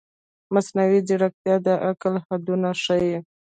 مصنوعي ځیرکتیا د عقل حدونه ښيي.